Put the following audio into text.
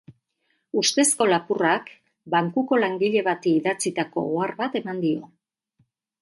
Ustezko lapurrak bankuko langile bati idatzitako ohar bat eman dio.